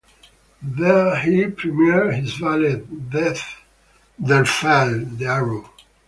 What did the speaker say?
There he premiered his ballet "Der Pfeil" (The Arrow).